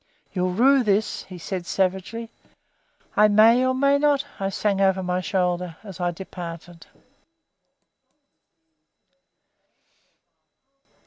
"You'll rue this," he said savagely. "I may or may not," I sang over my shoulder as I departed.